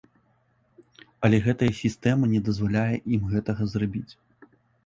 Але гэтая сістэма не дазваляе ім гэтага зрабіць.